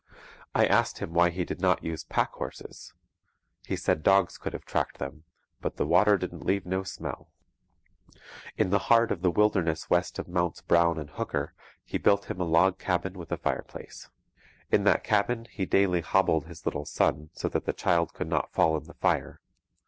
I asked him why he did not use pack horses. He said dogs could have tracked them, but 'the water didn't leave no smell.' In the heart of the wilderness west of Mounts Brown and Hooker he built him a log cabin with a fireplace. In that cabin he daily hobbled his little son, so that the child could not fall in the fire.